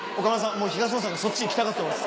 もう東野さんがそっちに行きたがってます。